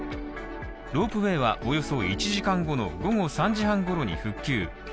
ロープウェイはおよそ１時間後の午後３時半ごろに復旧。